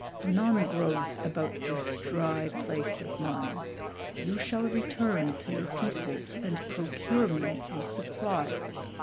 None grows about this dry place of mine. You shall return to your people and procure me a supply.